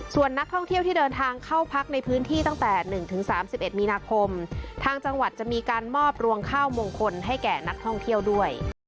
ส่วนนักท่องเที่ยวที่เดินทางเข้าพักในพื้นที่ตั้งแต่๑๓๑มีนาคมทางจังหวัดจะมีการมอบรวงข้าวมงคลให้แก่นักท่องเที่ยวด้วย